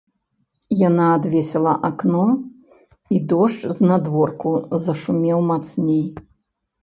Яна адвесіла акно, і дождж знадворку зашумеў мацней.